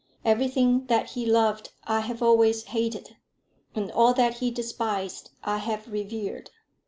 Everything that he loved I have always hated, and all that he despised I have revered.